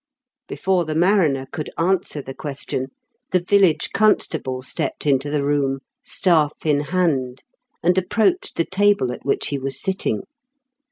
" Before the mariner could answer the ques tion, the village constable stepped into the room, staff in hand, and approached the table at which he was sitting.